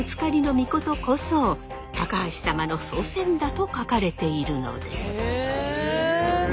命こそ高橋様の祖先だと書かれているのです。